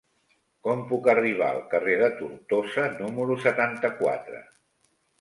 Com puc arribar al carrer de Tortosa número setanta-quatre?